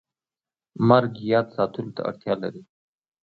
مرګ یاد ساتلو ته اړتیا لري